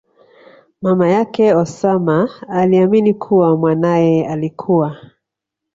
mama yake Osama aliamini kuwa mwanaye alikua